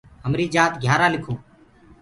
همريٚ جآت گھِيآرآ لِکو۔